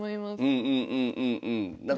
うんうんうんうんうん。